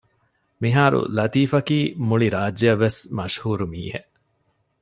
މިހާރު ލަތީފަކީ މުޅި ރާއްޖެއަށްވެސް މަޝްހޫރު މީހެއް